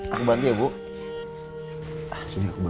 aku bantu ya bu